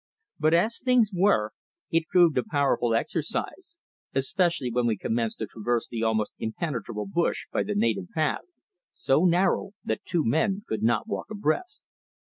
But as things were it proved a powerful exercise, especially when we commenced to traverse the almost impenetrable bush by the native path, so narrow that two men could not walk abreast.